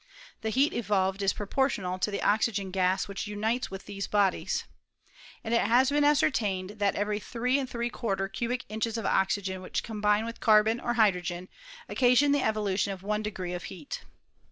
The heat evolved is proportional to the oxygen gas which unites with these bodies. And it has been ascertained that every 3j cubic inches of oxygen which combine with carbon or hydrogen occasion the evolution of !• of heat.